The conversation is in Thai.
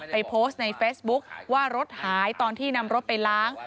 โพสต์ในเฟซบุ๊คว่ารถหายตอนที่นำรถไปล้าง